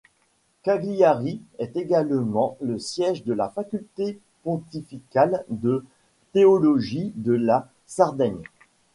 Cagliari est également le siège de la Faculté pontificale de théologie de la Sardaigne.